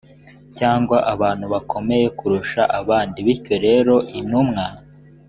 cyangwa abantu bakomeye kurusha abandi bityo rero intumwa